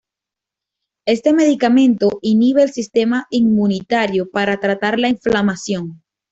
Este medicamento inhibe el sistema inmunitario para tratar la inflamación.